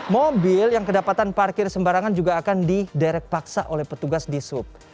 mobil yang kedapatan parkir sembarangan juga akan di direct paksa oleh petugas disup